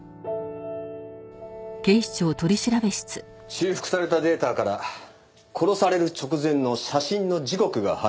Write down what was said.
修復されたデータから殺される直前の写真の時刻が判明しました。